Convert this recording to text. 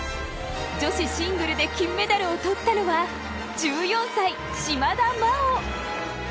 女子シングルで金メダルを取ったのは１４歳、島田麻央。